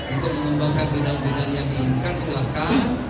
untuk mengembangkan bidang bidang yang diinginkan silakan